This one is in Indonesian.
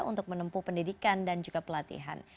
untuk menempuh pendidikan dan juga pelatihan